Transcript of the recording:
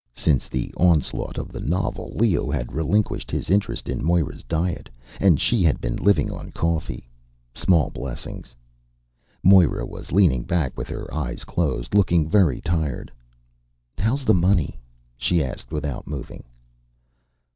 Since the onslaught of The Novel, Leo had relinquished his interest in Moira's diet, and she had been living on coffee. Small blessings.... Moira was leaning back with her eyes closed, looking very tired. "How's the money?" she asked without moving.